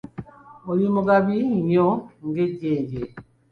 Oli mugabi nnyo ng'ejjenje